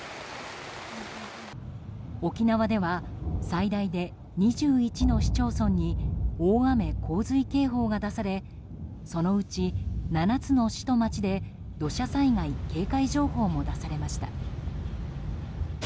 沖縄では最大で２１の市町村に大雨・洪水警報が出されそのうち７つの市と町で土砂災害警戒情報も出されました。